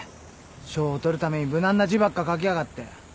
賞を取るために無難な字ばっか書きやがって。